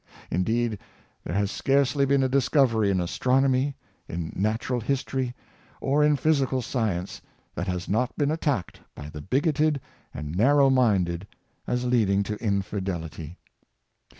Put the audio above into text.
Indeed, there has scarcely been a discovery in astronomy, in natural history, or in physical science, that has not been at tacked by the bigoted and narrow minded as leading to infidelity.